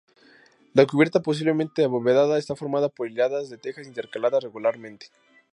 La cubierta, posiblemente abovedada, estaba formada por hiladas de tejas intercaladas regularmente.